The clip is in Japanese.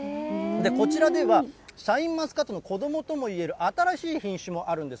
こちらでは、シャインマスカットの子どもともいえる、新しい品種もあるんです。